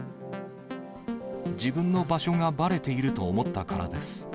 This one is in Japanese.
自分の場所がばれていると思ったからです。